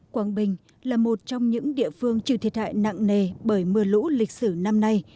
quảng bình là một trong những địa phương chịu thiệt hại nặng nề bởi mưa lũ lịch sử năm nay